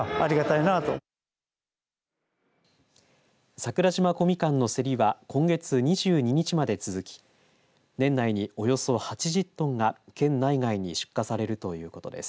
桜島小みかんの競りは今月２２日まで続き年内におよそ８０トンが県内外に出荷されるということです。